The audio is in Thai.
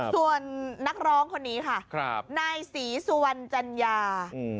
ส่วนนักร้องคนนี้ค่ะนายศรีสุวรรณจัญญา